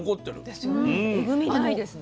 うんえぐみないですね。